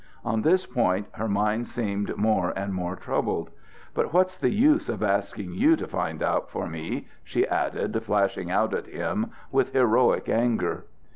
On this point her mind seemed more and more troubled. "But what's the use of asking you to find out for me?" she added, flashing out at him with heroic anger.